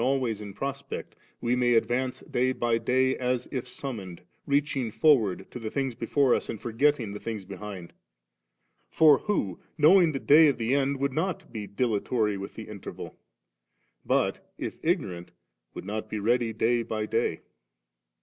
421 always in prospect, we may advance day by day as if summoned^ reaching forward to the things before us and forgetting the things behind*. For who, knowing the da^ of the end, would not be dilatory with the interval ? but, if ignorant, would not be ready day by day